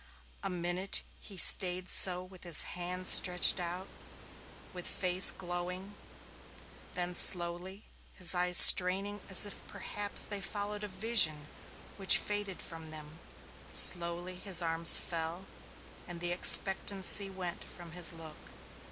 A minute he stayed so with his hands stretched out, with face glowing, then slowly, his eyes straining as if perhaps they followed a vision which faded from them slowly his arms fell and the expectancy went from his look.